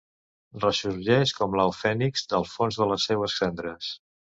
Ressorgeix com l’au fènix del fons de les seues cendres...